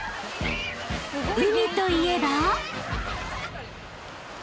［海といえば］